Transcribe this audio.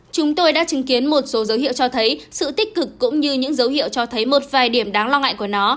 chúng tôi đã chứng kiến một số dấu hiệu cho thấy sự tích cực cũng như những dấu hiệu cho thấy một vài điểm đáng lo ngại của nó